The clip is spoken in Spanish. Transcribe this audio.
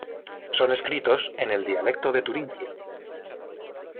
Son escritos en el dialecto de Turingia.